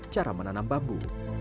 cara menanam bambu